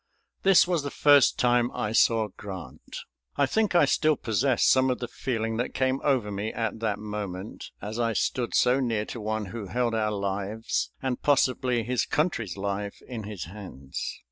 This was the first time I saw Grant. I think I still possess some of the feeling that came over me at that moment as I stood so near to one who held our lives, and possibly his country's life, in his hands.